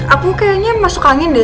aku kayaknya masuk angin deh